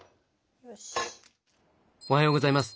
おはようございます。